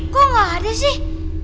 kok gak ada sih